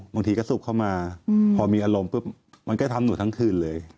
บางทีก็สูบเข้ามาพอมีอารมณ์ปุ๊บมันก็ทำหนูทั้งคืนเลย